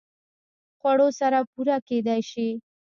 خوړو سره پوره کېدای شي